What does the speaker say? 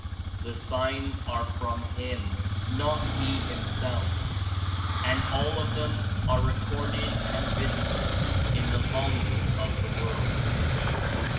The signs are from Him — not He Himself — and all of them are record ed and visible in the volume of the world.